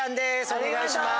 お願いします！